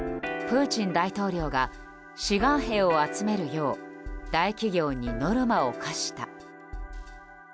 プーチン大統領が志願兵を集めるよう大企業にノルマを課した。